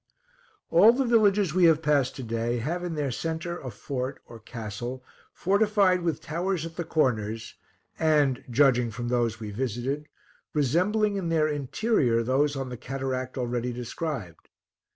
All the villages we have passed to day, have in their centre a fort or castle, fortified with towers at the corners, and, judging from those we visited, resembling in their interior those on the cataract already described.